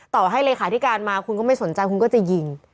ต่อให้เลขาธิการมาคุณก็ไม่สนใจคุณก็จะยิง